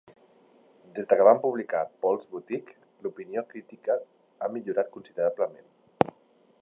Des de que van publicar "Paul's Boutique", l'opinió crítica ha millorat considerablement.